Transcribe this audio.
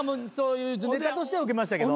ネタとしてはウケましたけど。